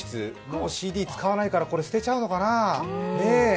もうＣＤ、使わないからこれ捨てちゃうのかな。